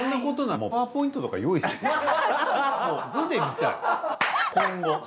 もう図で見たい今後。